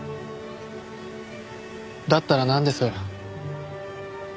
だったらなんです？